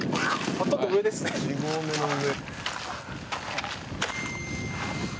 「８合目の上」